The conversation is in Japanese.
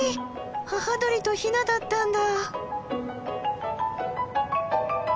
母鳥とヒナだったんだ。